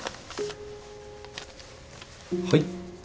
はい。